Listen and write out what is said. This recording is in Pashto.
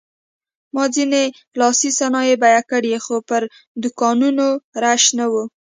ما ځینې لاسي صنایع بیه کړې خو پر دوکانونو رش نه و.